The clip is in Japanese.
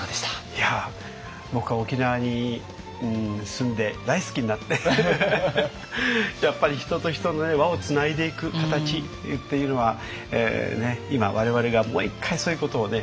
いや僕は沖縄に住んで大好きになってやっぱり人と人の輪をつないでいく形っていうのは今我々がもう一回そういうことをね